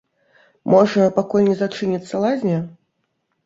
Можа, пакуль не зачыніцца лазня?